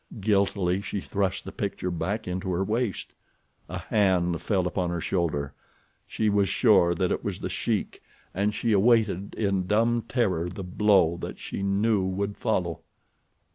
Guiltily she thrust the picture back into her waist. A hand fell upon her shoulder. She was sure that it was The Sheik and she awaited in dumb terror the blow that she knew would follow.